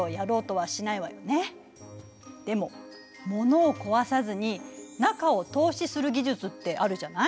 でも物を壊さずに中を透視する技術ってあるじゃない？